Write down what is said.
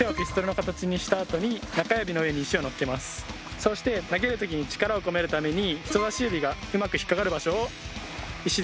そして投げる時に力を込めるために人差し指がうまく引っかかる場所を石で探します。